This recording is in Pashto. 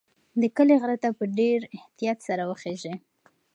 د کلي غره ته په ډېر احتیاط سره وخیژئ.